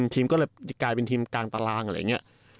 ทีมก็เลยกลายเป็นทีมกลางตารางอะไรอย่างนี้